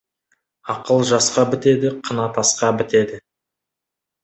Ақыл жасқа бітеді, қына тасқа бітеді.